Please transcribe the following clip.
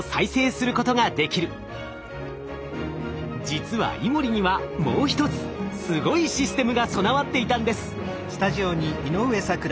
実はイモリにはもう一つすごいシステムが備わっていたんです。